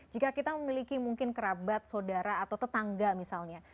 jika kita memiliki mungkin kerabat saudara atau tetangga misalnya